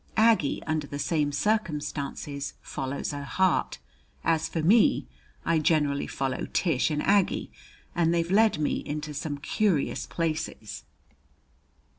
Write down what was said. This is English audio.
Aggie under the same circumstances follows her heart. As for me, I generally follow Tish and Aggie, and they've led me into some curious places.